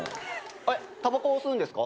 えったばこ吸うんですか？